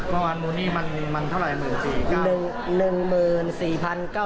เมื่อวานมูลนี่มันมันเท่าไรหมื่นสี่เก้าหนึ่งหนึ่งหมื่นสี่พันเก้า